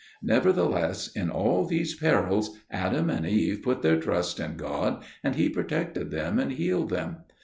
Nevertheless, in all these perils Adam and Eve put their trust in God, and He protected them and healed them.